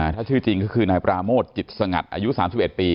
ถ้าชื่อจริงก็คือนายปราโมทจิตสงัดอายุ๓๑ปี